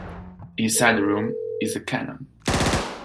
Inside the room is a cannon.